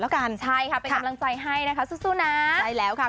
แล้วกันใช่ค่ะเป็นกำลังใจให้นะคะสู้สู้นะใช่แล้วค่ะ